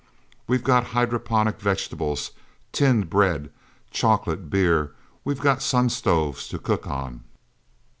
We've got hydroponic vegetables, tinned bread, chocolate, beer. We've got sun stoves to cook on.